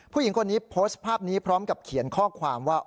ผู้หญิงคนนี้โพสต์ภาพนี้พร้อมกับเขียนข้อความว่า